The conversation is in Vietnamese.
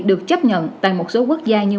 được chấp nhận tại một số quốc gia như